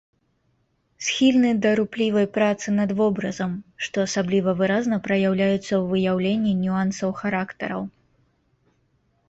Схільны да руплівай працы над вобразам, што асабліва выразна праяўляецца ў выяўленні нюансаў характараў.